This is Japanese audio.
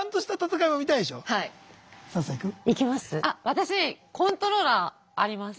私コントローラーあります。